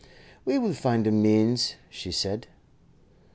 "We will find a means," she said.